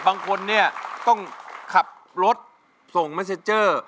บางคนเนี่ยต้องขับรถส่งเมสเซเจอร์